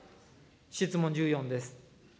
質問１４です。